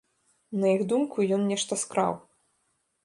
На іх думку, ён нешта скраў.